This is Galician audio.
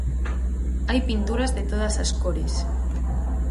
Hai pinturas de todas as cores.